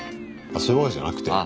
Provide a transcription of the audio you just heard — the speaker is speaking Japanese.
そういうわけじゃなくて？